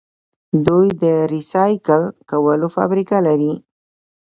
دوی د ریسایکل کولو فابریکې لري.